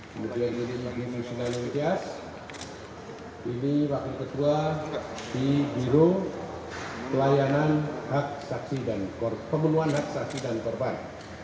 kemudian ini pak bimu sinanowityas ini wakil ketua di biro pelayanan pemeluhan hak saksi dan korban